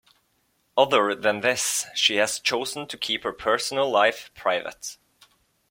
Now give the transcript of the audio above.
Other than this she has chosen to keep her personal life private.